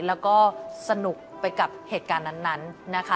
แล้วก็สนุกไปกับเหตุการณ์นั้นนะคะ